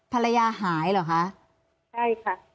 ยายก็ยังแอบไปขายขนมแล้วก็ไปถามเพื่อนบ้านว่าเห็นไหมอะไรยังไง